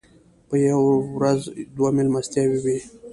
په یوه ورځ دوه مېلمستیاوې وې.